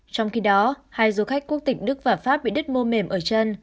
trong khi đó hai du khách quốc tịch đức và pháp bị đứt mô mềm ở chân